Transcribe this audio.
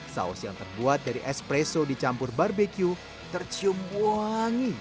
saus yang terbuat dari espresso dicampur barbeque tercium wangi